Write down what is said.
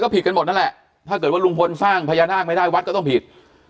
ผิดกันหมดนั่นแหละถ้าเกิดว่าลุงพลสร้างพญานาคไม่ได้วัดก็ต้องผิด